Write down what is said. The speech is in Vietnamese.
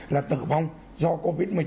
là tử vong do covid một mươi chín